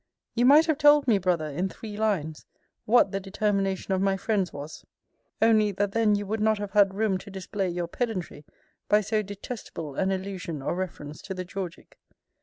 You might have told me, Brother, in three lines, what the determination of my friends was; only, that then you would not have had room to display your pedantry by so detestable an allusion or reference to the Georgic.